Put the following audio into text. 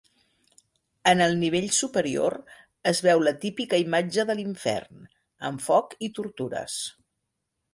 En el nivell superior, es veu la típica imatge de l'infern, amb foc i tortures.